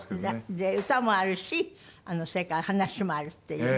で歌もあるしそれから話もあるっていうね。